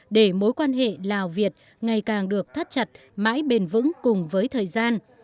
để mối quan hệ lào việt ngày càng được thắt chặt mãi bền vững cùng với thời gian